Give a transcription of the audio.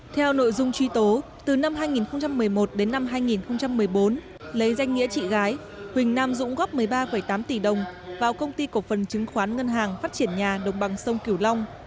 theo nội dung truy tố từ năm hai nghìn một mươi một đến năm hai nghìn một mươi bốn lấy danh nghĩa chị gái huỳnh nam dũng góp một mươi ba tám tỷ đồng vào công ty cổ phần chứng khoán ngân hàng phát triển nhà đồng bằng sông cửu long